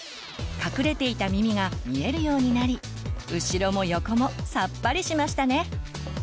隠れていた耳が見えるようになり後ろも横もさっぱりしましたね！